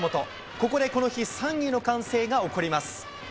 ここでこの日３位の歓声が起こります。